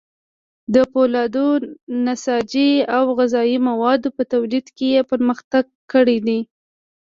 د فولادو، نساجي او غذايي موادو په تولید کې یې پرمختګ کړی.